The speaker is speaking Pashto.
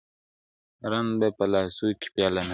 رند به په لاسو کي پیاله نه لري!